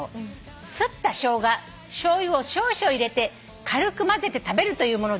「すったショウガしょうゆを少々入れて軽くまぜて食べるというものです」